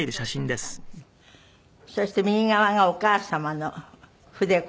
そして右側がお母様の筆子さん。